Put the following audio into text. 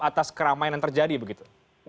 atas keramainan terjadi begitu